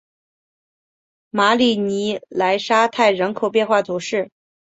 马里尼莱沙泰人口变化图示